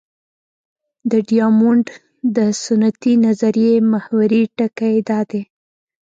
د ډیامونډ د سنتي نظریې محوري ټکی دا دی.